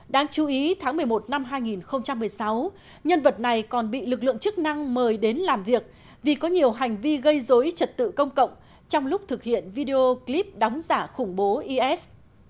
đáng chú ý tháng một mươi một năm hai nghìn một mươi sáu nhân vật này còn bị lực lượng chức năng mời đến làm việc vì có nhiều hành vi gây dối trật tự công cộng trong lúc thực hiện video clip đóng giả khủng bố is